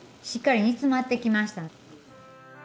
しっかり煮詰まってきました。